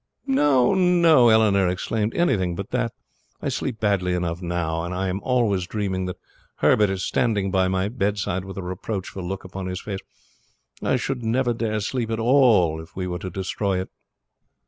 "No, no," Eleanor exclaimed; "anything but that. I sleep badly enough now, and am always dreaming that Herbert is standing by my bedside with a reproachful look upon his face. I should never dare sleep at all if we were to destroy it."